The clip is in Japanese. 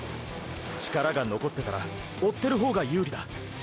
力が残ってたら追ってる方が有利だ。